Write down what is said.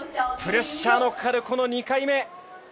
プレッシャーのかかる２回目。